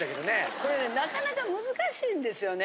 これねなかなか難しいんですよね。